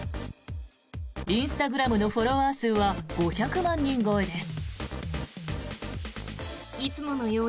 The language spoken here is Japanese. インスタグラムのフォロワー数は５００万人超えです。